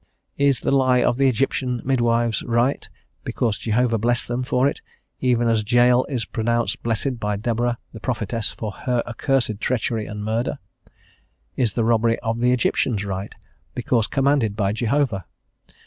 Is the lie of the Egyptian midwives right, because Jehovah blessed them for it, even as Jael is pronounced blessed by Deborah, the prophetess, for her accursed treachery and murder? Is the robbery of the Egyptians right, because commanded by Jehovah?